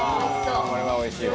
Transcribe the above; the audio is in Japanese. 「これはおいしいわ」